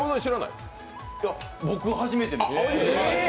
僕、初めてです。